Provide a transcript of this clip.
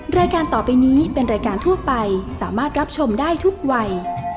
รายการต่อไปนี้เป็นรายการทั่วไปสามารถรับชมได้ทุกวัย